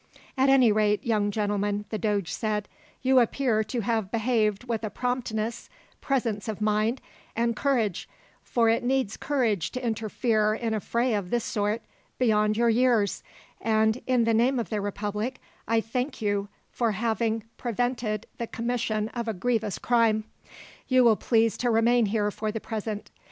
"At any rate, young gentleman," the doge said, "you appear to have behaved with a promptness, presence of mind, and courage for it needs courage to interfere in a fray of this sort beyond your years; and, in the name of the republic, I thank you for having prevented the commission of a grievous crime. You will please to remain here for the present.